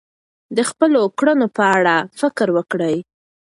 د خپلو کړنو په اړه فکر وکړئ.